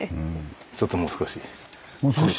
ちょっともう少し。